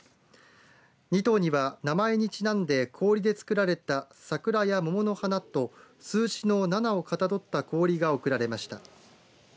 ２頭には名前にちなんで氷でつくられた桜や桃の花と数字の７をかたどった氷が贈られました。